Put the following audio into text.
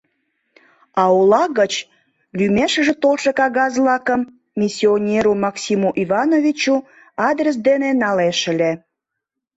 А ола гыч лӱмешыже толшо кагаз-влакым «Миссионеру Максиму Ивановичу» адрес дене налеш ыле.